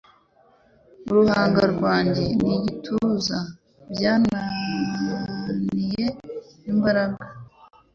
Uruhanga rwanjye n'igituza byananiye imbaraga